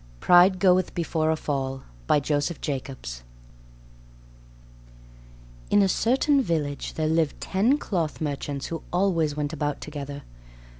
PRIDE GOETH BEFORE A FALL By Joseph Jacobs In a certain village there lived ten cloth merchants who always went about together.